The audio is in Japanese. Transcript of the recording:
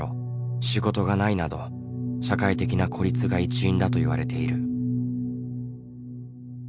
仕事がないなど社会的な孤立が一因だといわれている。